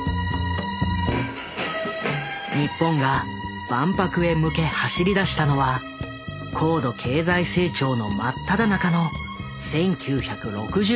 日本が万博へ向け走りだしたのは高度経済成長の真っただ中の１９６０年代。